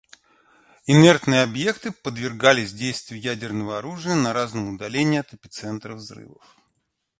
Инертные объекты подвергались действию ядерного оружия на разном удалении от эпицентра взрыва.